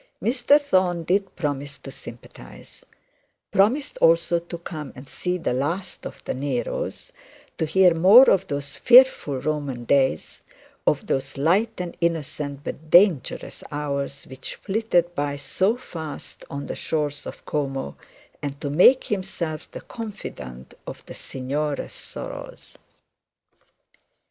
Mr Thorne did promise to sympathise; promised also to come and see the last of the Neros, to hear more of those fearful Roman days, of those light and innocent but dangerous hours which flitted by so fast on the shores of Como, and to make himself the confidant of the signora's sorrows.